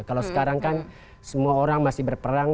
kalau sekarang kan semua orang masih berperang